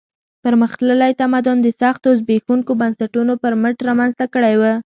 پرمختللی تمدن د سختو زبېښونکو بنسټونو پر مټ رامنځته کړی و.